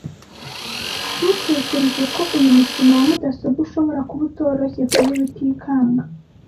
Ntutekereza ko uyu mukino wa mudasobwa ushobora kuba utoroshye kuri Rutikanga?